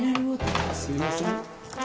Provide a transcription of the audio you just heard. すいません。